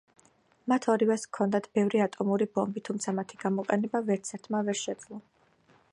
მათ ორივეს ჰქონდათ ბევრი ატომური ბომბი, თუმცა მათი გამოყენება ვერცერთმა ვერ შეძლო.